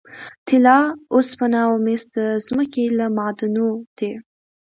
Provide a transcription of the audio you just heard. طلا، اوسپنه او مس د ځمکې له معادنو دي.